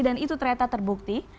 dan itu ternyata terbukti